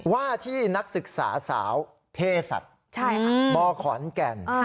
ว่าที่นักศึกษาสาวเพศศบขอนแก่น